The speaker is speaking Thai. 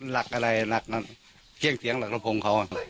หลักอะไรเปลี่ยนเสียงหลักละพร่งเขา